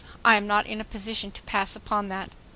I am not in a position to pass upon that.